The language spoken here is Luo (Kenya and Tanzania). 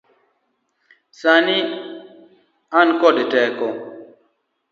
Sani an kod teko.